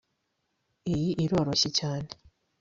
Iyi iroroshye cyane